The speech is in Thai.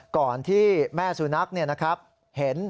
ก่อนที่แม่สุนนักเนี่ยนะครับเห็น